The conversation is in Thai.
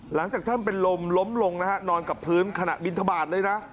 หลังจากท่านเป็นลมล้มลงนะฮะนอนกับพื้นขณะบินทบาทเลยนะ